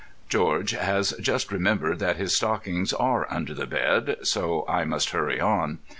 George has just remembered that his stockings are under the bed, so I must hurry on.